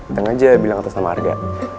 ntar ngajak bilang atas nama harga